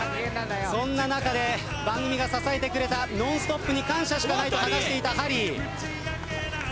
そんな中で番組が支えてくれた『ノンストップ！』に感謝しかないと話していたハリー。